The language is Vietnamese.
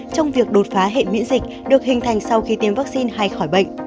trong việc đột phá hệ miễn dịch được hình thành sau khi tiêm vaccine hay khỏi bệnh